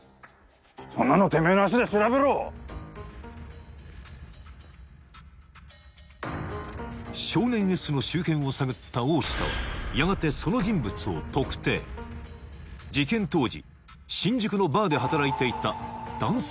そんなのてめえの足で調べろ少年Ｓの周辺を探った大下はやがてその人物を特定事件当時新宿のバーで働いていた男性